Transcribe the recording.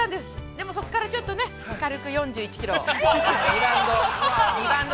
でも、そこからちょっとね、軽く４１キロ、リバウンド。